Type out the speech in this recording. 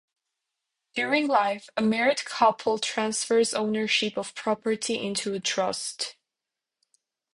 During life, a married couple transfers ownership of property into a trust.